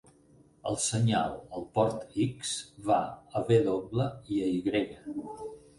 El senyal al port X va a W i a Y.